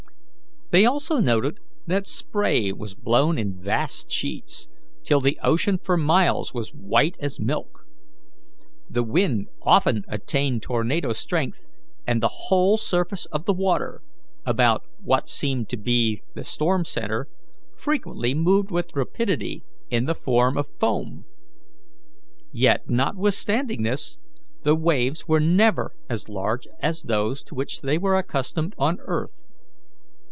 They also noted that spray was blown in vast sheets, till the ocean for miles was white as milk. The wind often attained tornado strength, and the whole surface of the water, about what seemed to be the storm centre, frequently moved with rapidity in the form of foam. Yet, notwithstanding this, the waves were never as large as those to which they were accustomed on earth.